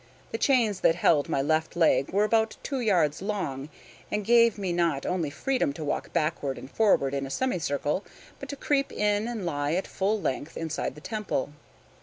The chains that held my left leg were about two yards long, and gave me not only freedom to walk backward and forward in a semicircle, but to creep in and lie at full length inside the temple.